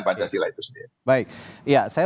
pancasila itu sendiri baik ya saya